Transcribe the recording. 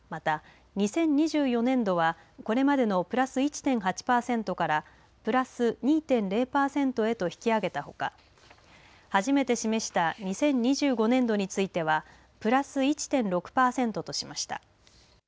また、２０２４年度はこれまでのプラス１．８パーセントからプラス２．０パーセントへと引き上げたほか初めて示した２０２５年度についてはプラス１．６パーセントとしました。